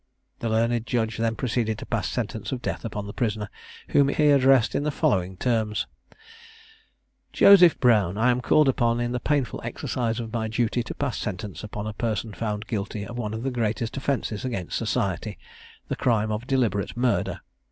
The learned Judge then proceeded to pass sentence of death upon the prisoner, whom he addressed in the following terms: "Joseph Brown, I am called upon, in the painful exercise of my duty, to pass sentence upon a person found guilty of one of the greatest offences against society the crime of deliberate murder.